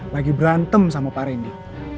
lagi berantem sama pak randy